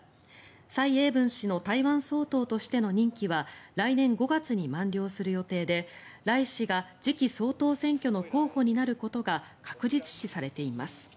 蔡英文氏の台湾総統としての任期は来年５月に満了する予定で頼氏が次期総統選挙の候補になることが確実視されています。